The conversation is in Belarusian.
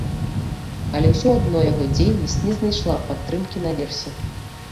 Але ўсё адно яго дзейнасць не знайшла падтрымкі наверсе.